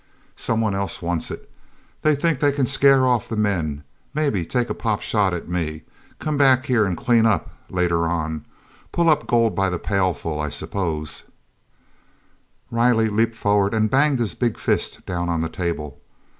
Someone else wants it. They think they can scare off the men, maybe take a pot shot at me, come back here and clean up later on, pull up gold by the pailful, I suppose—" Riley leaped forward and banged his big fist down on the table.